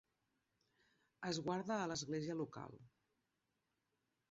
Es guarda a l'església local.